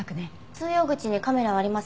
通用口にカメラはありません。